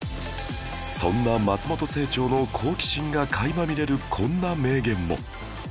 そんな松本清張の好奇心が垣間見れるこんな名言も